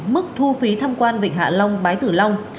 mức thu phí tham quan vịnh hạ long bái tử long